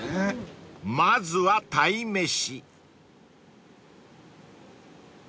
［まずは鯛めし］